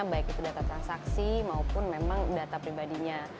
baik itu data transaksi maupun memang data pribadinya